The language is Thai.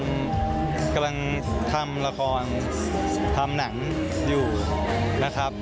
กำลังทำละครทำหนังอยู่นะครับ